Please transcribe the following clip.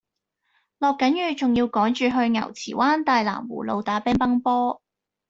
落緊雨仲要趕住去牛池灣大藍湖路打乒乓波